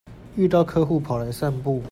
遇到客戶跑來散步